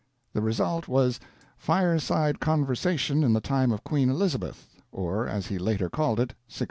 The result was 'Fireside Conversation in the Time of Queen Elizabeth', or as he later called it, '1601'.